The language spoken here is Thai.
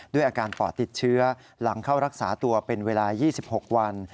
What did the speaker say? ด้วยอาการปอดติดเชื้อหลังเข้ารักษาตัวเป็นเวลา๒๖วัน